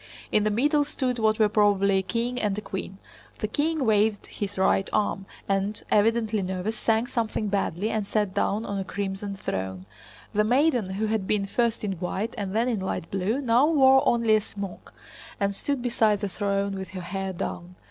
In the middle stood what were probably a king and a queen. The king waved his right arm and, evidently nervous, sang something badly and sat down on a crimson throne. The maiden who had been first in white and then in light blue, now wore only a smock, and stood beside the throne with her hair down.